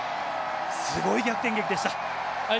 すごい逆転劇でした。